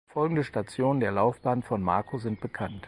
Folgende Stationen der Laufbahn von Macro sind bekannt.